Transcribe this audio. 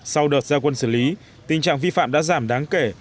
sau đợt gia quân xử lý tình trạng vi phạm đã giảm đáng kể